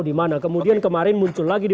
di mana kemudian kemarin muncul lagi di